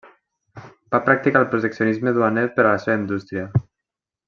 Va practicar el proteccionisme duaner per a la seva indústria.